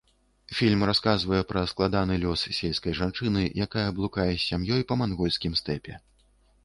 Фільм расказвае пра складаны лёс сельскай жанчыны, якая блукае з сям'ёй па мангольскім стэпе.